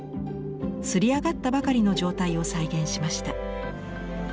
刷り上がったばかりの状態を再現しました。